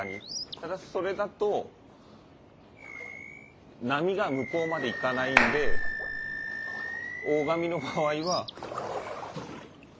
ただそれだと波が向こうまでいかないんで大紙の場合は。